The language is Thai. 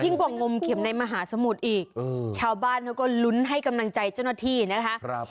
กว่างมเข็มในมหาสมุทรอีกชาวบ้านเขาก็ลุ้นให้กำลังใจเจ้าหน้าที่นะคะ